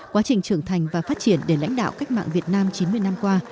quá trình trưởng thành và phát triển để lãnh đạo cách mạng việt nam chín mươi năm qua